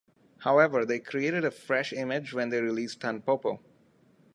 However, they created a fresh image when they released "Tanpopo".